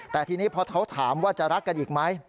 แต่ทีนี้พอเขาถามว่าจะรักกันอีกไหม